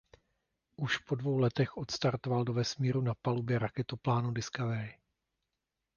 Už po dvou letech odstartoval do vesmíru na palubě raketoplánu Discovery.